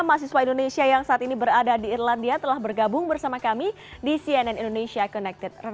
mahasiswa indonesia yang saat ini berada di irlandia telah bergabung bersama kami di cnn indonesia connected